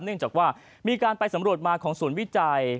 เนื่องจากว่ามีการไปสำรวจมาของศูนย์วิจัย